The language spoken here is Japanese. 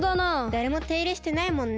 だれもていれしてないもんね。